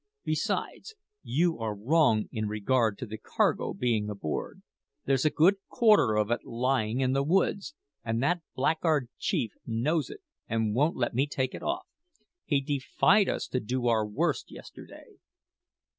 Besides, you are wrong in regard to the cargo being aboard; there's a good quarter of it lying in the woods, and that blackguard chief knows it, and won't let me take it off. He defied us to do our worst yesterday."